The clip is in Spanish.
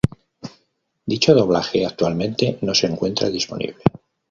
Dicho doblaje actualmente no se encuentra disponible.